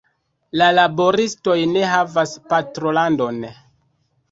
La laboristoj ne havas patrolandon.